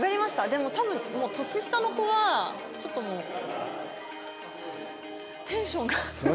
でも多分年下の子はちょっともうテンションが。